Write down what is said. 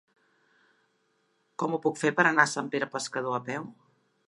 Com ho puc fer per anar a Sant Pere Pescador a peu?